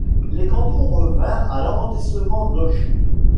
Les cantons revinrent à l'arrondissement d'Auch.